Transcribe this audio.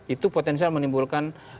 itu potensial menimbulkan